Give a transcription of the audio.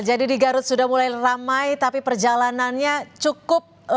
jadi di garut sudah mulai ramai tapi perjalanannya cukup lanjut